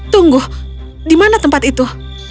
tunggu di mana tempat itu